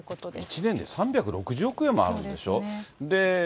１年で３６０億円もあるんでしょ。